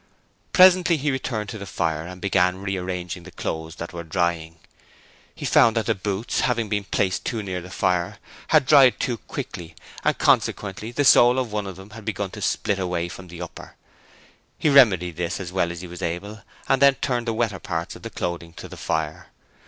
Presently he returned to the fire and began rearranging the clothes that were drying. He found that the boots, having been placed too near the fire, had dried too quickly and consequently the sole of one of them had begun to split away from the upper: he remedied this as well as he was able and then turned the wetter parts of the clothing to the fire.